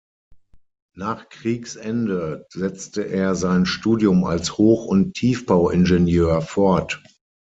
Nach Kriegsende setzte er sein Studium als Hoch- und Tiefbauingenieur fort.